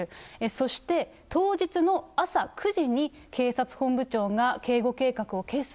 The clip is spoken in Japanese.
そして当日の朝９時に警察本部長が、もうすぐですよ。